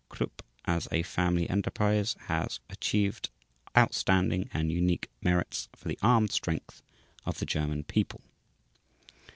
Krupp, as a family enterprise has achieved outstanding and unique merits for the armed strength of the German people."